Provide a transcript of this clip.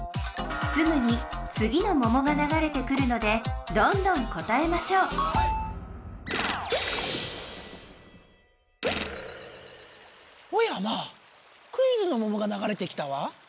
すぐにつぎのももがながれてくるのでどんどん答えましょうおやまあクイズのももがながれてきたわ。